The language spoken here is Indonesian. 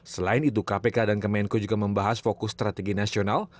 selain itu kpk dan kemenko juga membahas fokus strategi nasional